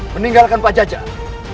meninggalkan pajak jarak